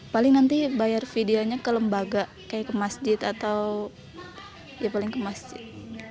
paling nanti bayar vidyanya ke lembaga kayak ke masjid atau ya paling ke masjid